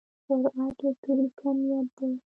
سرعت وکتوري کميت دی.